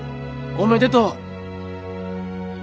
おめでとう！